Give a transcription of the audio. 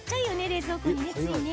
冷蔵庫にねついね。